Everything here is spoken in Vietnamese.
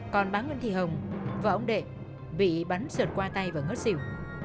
còn bà nguyễn thị hồng và ông đệ bị bắn sợt qua tay và ngất xỉu